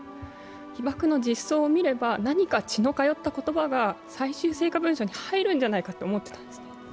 被爆の実相を見れば、何か血の通った言葉が最終成果文書に入るんじゃないかと思っていたんです。